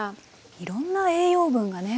いろんな栄養分がね